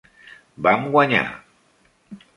Vam guanyar!